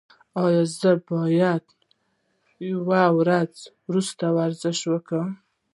ایا زه باید یوه ورځ وروسته ورزش وکړم؟